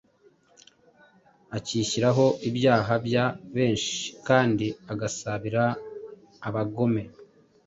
akishyiraho ibyaha bya benshi; kandi agasabira abagome.”